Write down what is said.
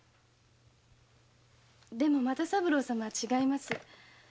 でも又三郎様は違います。